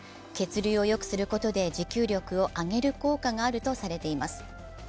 血流をよくすることで持久力を上げる効果があるとされています。